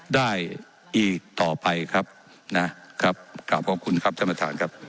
ได้อีกต่อไปครับนะครับขอบคุณครับธรรมฐานครับ